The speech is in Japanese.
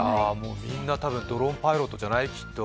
みんなたぶん、ドローンパイロットじゃない、きっと。